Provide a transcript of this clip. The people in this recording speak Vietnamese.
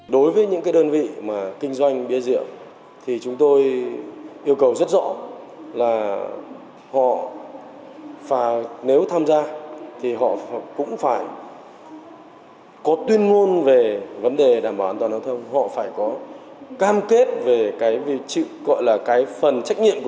đối với những đơn vị kinh doanh bia rượu chúng tôi yêu cầu rất rõ là họ nếu tham gia thì họ cũng phải có tuyên ngôn về vấn đề đảm bảo an toàn giao thông họ phải có cam kết về phần trách nhiệm của mình để tham gia vào việc ngăn chặn tác hại do rượu bia mang lại